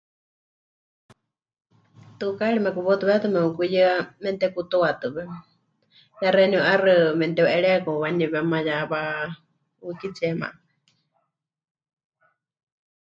Tukaari mekuwautɨwetɨ mepɨkuyɨa memɨtekutuatɨwe, ya xeeníu 'aixɨ memɨteu'eríekakɨ waniwéma ya wa'úkitsiema.